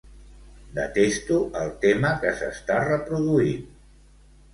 Detesto el tema que s'està reproduint.